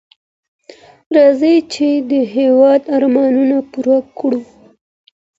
راځئ چي د هېواد ارمانونه پوره کړو.